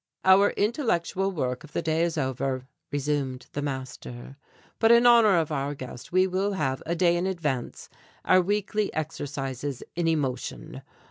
"Our intellectual work of the day is over," resumed the master, "but in honour of our guest we will have, a day in advance, our weekly exercises in emotion.